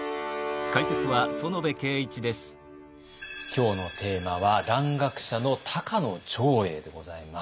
今日のテーマは蘭学者の「高野長英」でございます。